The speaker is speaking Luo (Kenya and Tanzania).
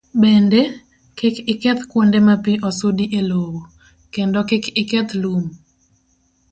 Bende, kik iketh kuonde ma pi osudi e lowo, kendo kik iketh lum.